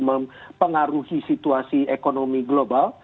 mempengaruhi situasi ekonomi global